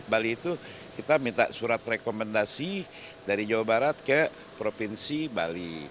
bali itu kita minta surat rekomendasi dari jawa barat ke provinsi bali